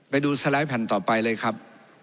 ไปดูสไลด์แผ่นต่อไปเลยครับ